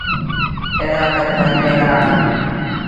ڪݩهݩ لآ تا ٺهيٚل ايڙآ اوهيݩ۔